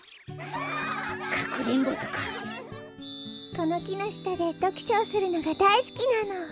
このきのしたでどくしょをするのがだいすきなの。